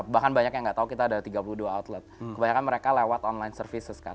bahkan banyak yang nggak tahu kita ada tiga puluh dua outlet kebanyakan mereka lewat online services kan